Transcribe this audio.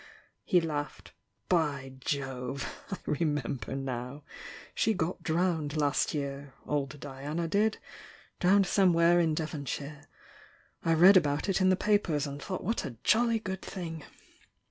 He laughed. "By Jove! I remember now! She got drowned last year — old Diana did! — drowned somewhere in Dev onshire. I read about it in the papers and thought what a jolly good thing!